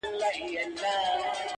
بيا دې د سندرو و جمال ته گډ يم!